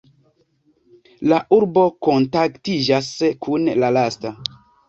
La urbo kontaktiĝas kun la lasta.